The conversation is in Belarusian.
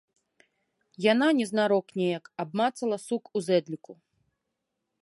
Яна незнарок неяк абмацала сук у зэдліку.